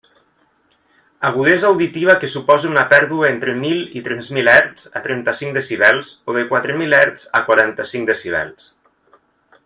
Agudesa auditiva que supose una pèrdua entre mil i tres mil hertzs a trenta-cinc decibels o de quatre mil hertzs a quaranta-cinc decibels.